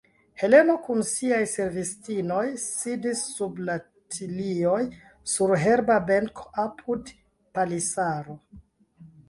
Heleno kun siaj servistinoj sidis sub la tilioj sur herba benko, apud palisaro.